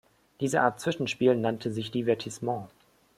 Diese Art Zwischenspiel nannte sich Divertissement.